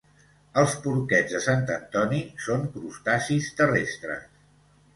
Els porquets de sant Antoni són crustacis terrestres.